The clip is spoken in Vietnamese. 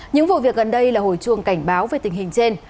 những vụ việc gần đây là hồi chuồng cảnh báo về tình hình trên